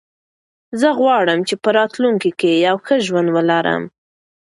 زه غواړم چې په راتلونکي کې یو ښه ژوند ولرم.